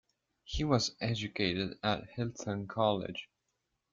He was educated at Hilton College.